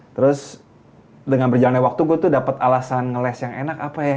terus dengan berjalannya waktu gue tuh dapet alasan ngeles yang enak apa ya